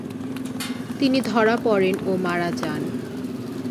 তিনি ধরা পড়েন ও মারা যান।